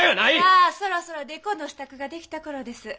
さあそろそろ木偶の支度ができた頃です。